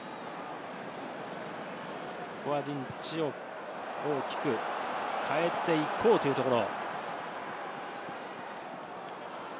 ここは陣地を大きく変えていこうというところ。